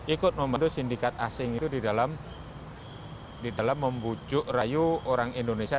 ikut membentuk sindikat asing itu di dalam membujuk rayu orang indonesia